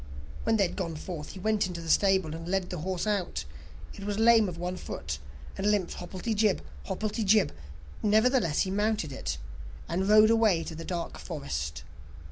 When they had gone forth, he went into the stable, and led the horse out; it was lame of one foot, and limped hobblety jib, hobblety jib; nevertheless he mounted it, and rode away to the dark forest.